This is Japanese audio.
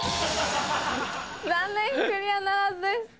残念クリアならずです。